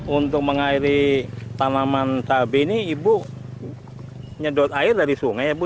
untuk mengairi tanaman cabai ini ibu nyedot air dari sungai bu